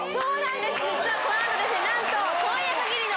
実はこの後なんと。